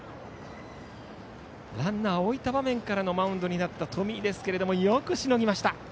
ランナーを置いた場面からのマウンドになった冨井ですがよくしのぎました。